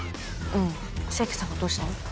うん清家さんがどうしたの？